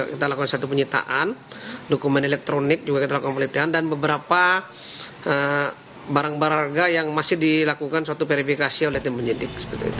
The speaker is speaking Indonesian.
kita lakukan suatu penyitaan dokumen elektronik juga kita lakukan penelitian dan beberapa barang barang harga yang masih dilakukan suatu verifikasi oleh tim penyidik